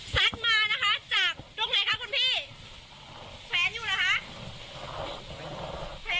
มานะคะจากตรงไหนคะคุณพี่แขวนอยู่เหรอคะ